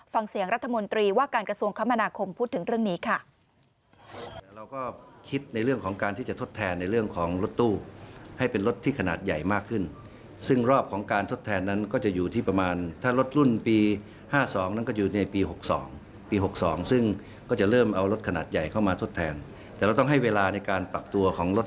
ฟังเสียงรัฐมนตรีว่าการกระทรวงคมนาคมพูดถึงเรื่องนี้ค่ะ